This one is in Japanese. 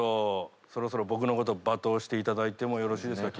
そろそろ僕のこと罵倒していただいてもよろしいですか？